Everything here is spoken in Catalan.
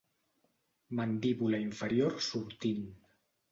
Mandíbula inferior sortint.